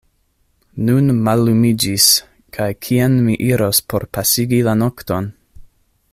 Nun mallumiĝis; kaj kien mi iros por pasigi la nokton?